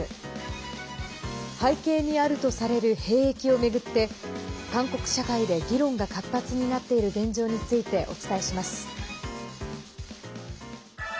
背景にあるとされる兵役を巡って韓国社会で議論が活発になっている現状についてお伝えします。